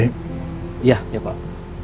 iya ya pak